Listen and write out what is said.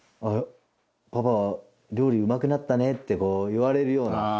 パパ、料理うまくなったねって言われるような。